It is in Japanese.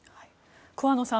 桑野さん